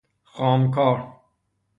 خام کار